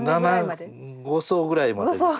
５層ぐらいまでですね。